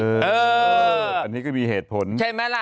อันนี้ก็มีเหตุผลใช่ไหมล่ะ